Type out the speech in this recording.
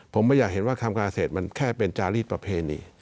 ผมไม่อยากเห็นว่าคำการเกษตรมันแค่เป็นจารีสประเพณี